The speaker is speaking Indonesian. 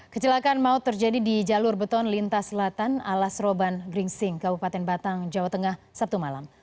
kecelakaan maut terjadi di jalur beton lintas selatan alas roban gringsing kabupaten batang jawa tengah sabtu malam